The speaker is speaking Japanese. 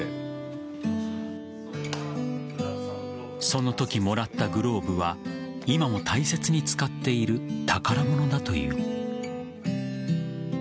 そのときもらったグローブは今も大切に使っている宝物だという。